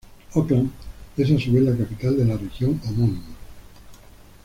Auckland es a su vez la capital de la región homónima.